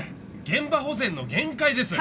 現場保全の限界です。